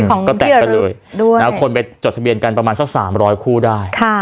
ก็แต่งไปเลยด้วยนะคนไปจดทะเบียนกันประมาณสักสามร้อยคู่ได้ค่ะ